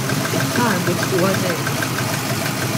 It-target huwa żero.